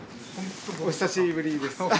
お久しぶりです。